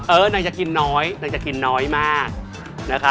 นางจะกินน้อยนางจะกินน้อยมากนะคะ